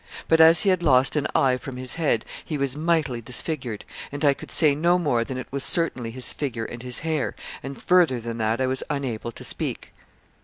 But as he had lost an eye from his head, he was mightily disfigured; and I could say no more than it was certainly his figure and his hair, and further than that I was unable to speak.